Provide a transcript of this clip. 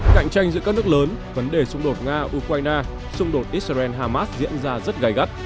cạnh tranh giữa các nước lớn vấn đề xung đột nga ukraine xung đột israel hamas diễn ra rất gai gắt